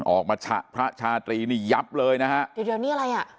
ออกมาฉะพระชาตรีนี่ยับเลยนะฮะเดี๋ยวเดี๋ยวนี้อะไรอ่ะ